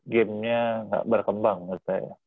game nya nggak berkembang menurut saya